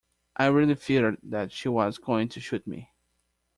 I really feared that she was going to shoot me.